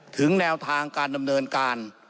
ถึงแนวทางการดำเนินการ